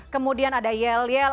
kemudian ada yel yel